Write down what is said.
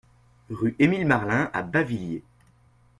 Rue Émile Marlin à Bavilliers